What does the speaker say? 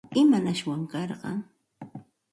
¿Imanashwan karqan?